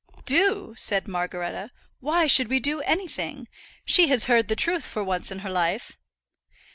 "Do!" said Margaretta; "why should we do anything? She has heard the truth for once in her life."